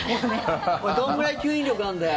おい、どんくらい吸引力あんだよ？